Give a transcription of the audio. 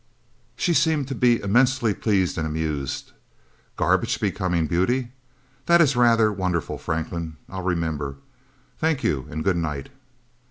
She seemed to be immensely pleased and amused. "Garbage becoming beauty! That is rather wonderful, Franklin. I'll remember. Thank you and good night."